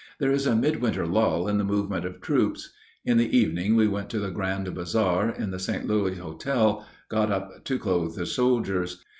There is a midwinter lull in the movement of troops. In the evening we went to the grand bazaar in the St. Louis Hotel, got up to clothe the soldiers.